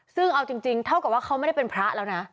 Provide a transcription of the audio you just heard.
ซึ่งเอาจริงเท่ากับว่าเขาไม่ได้เป็นพระแล้วนะ